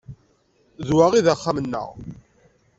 D wa i d axxam-nneɣ.